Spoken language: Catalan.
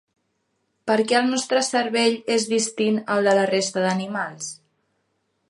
Per què el nostre cervell és distint al de la resta d’animals?